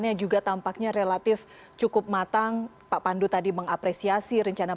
nah ini justru kemarin saya lihat dari sos juga lumayan terdiri dalam